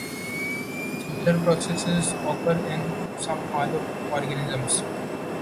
Similar processes occur in some other organisms.